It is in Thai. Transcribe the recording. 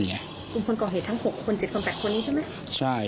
กลุ่มคนก่อเหตุทั้ง๖คน๗คน๘คนนี้ใช่ไหม